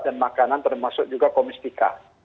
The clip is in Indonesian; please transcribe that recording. dan makanan termasuk juga komistika